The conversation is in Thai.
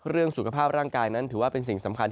เรื่องสุขภาพร่างกายนั้นถือว่าเป็นสิ่งสำคัญ